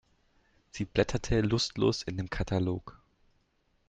Sie blätterte lustlos in dem Katalog.